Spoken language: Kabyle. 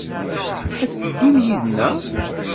Ad teddum yid-neɣ?